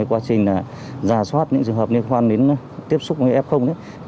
quá trình giả soát những trường hợp liên quan đến tiếp xúc với f